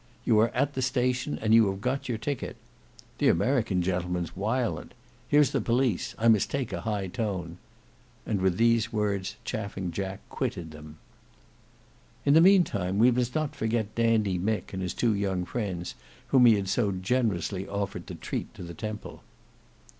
You are at the station and you have got your ticket. The American gentleman's wiolent. Here's the police. I must take a high tone." And with these words Chaffing Jack quitted them. In the meantime, we must not forget Dandy Mick and his two young friends whom he had so generously offered to treat to the Temple.